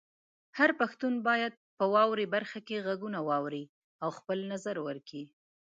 هر پښتون باید په "واورئ" برخه کې غږونه واوري او خپل نظر ورکړي.